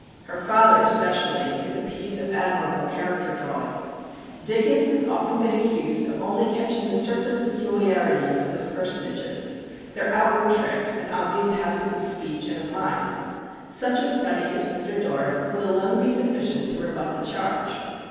Her father especially is a piece of admirable character drawing. Dickens has often been accused of only catching the surface peculiarities of his personages, their outward tricks, and obvious habits of speech and of mind. Such a study as Mr. Dorrit would alone be sufficient to rebut the charge.